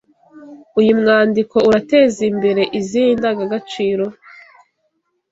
Uyu mwandiko urateza imbere izihe indangagaciro